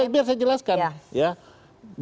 biar saya jelaskan